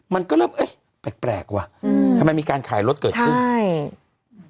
มันก็เริ่มเอ๊ะแปลกแปลกว่ะอืมทำไมมีการขายรถเกิดขึ้นใช่